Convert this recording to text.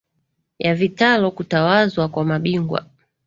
ya vitalo kutawazwa kwa mabingwa